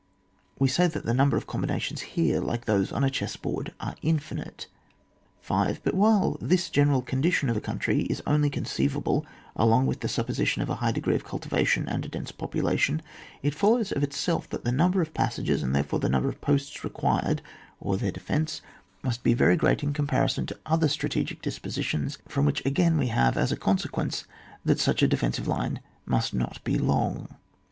We may say that the number of combinations here, like those on a chessboard, are infinite. 5. But while this general condition of a country is only conceivable along with the supposition of a high degree of cultivation and a dense population, it follows, of itself that the number of passages, and therefore the number of posts required or their defence, must be very great in comparison to other strat egetic dispositions ; from which again we have, as a consequence, that such a defensive line must not be long.